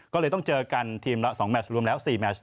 ก็เลยต้องเจอกันทีมละ๒แมชรวมแล้ว๔แมช